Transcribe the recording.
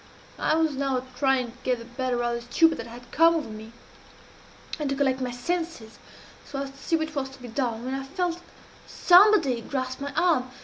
I was now trying to get the better of the stupor that had come over me, and to collect my senses so as to see what was to be done, when I felt somebody grasp my arm.